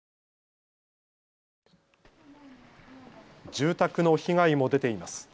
住宅の被害も出ています。